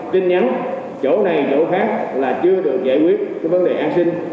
tin nhắn chỗ này chỗ khác là chưa được giải quyết cái vấn đề an sinh